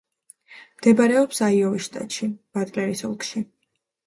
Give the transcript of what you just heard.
მდებარეობს აიოვის შტატში, ბატლერის ოლქში.